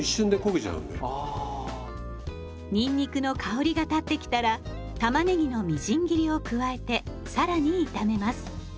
にんにくの香りが立ってきたらたまねぎのみじん切りを加えて更に炒めます。